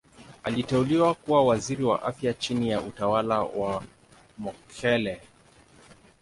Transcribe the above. Aliteuliwa kuwa Waziri wa Afya chini ya utawala wa Mokhehle.